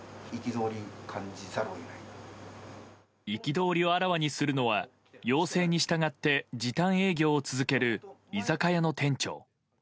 憤りをあらわにするのは要請に従って時短営業を続ける居酒屋の店長。